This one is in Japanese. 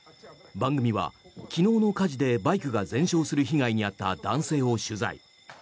番組は昨日の火事でバイクが全焼する被害に遭った男性を取材。